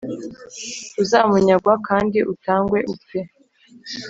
uzamunyagwa kandi utangwe upfe"